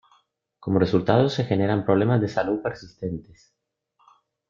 Como resultado se generan problemas de salud persistentes.